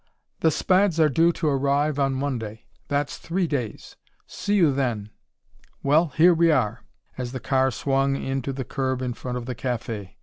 The Spads are due to arrive on Monday. That's three days. See you then. Well, here we are," as the car swung in to the curb in front of the café.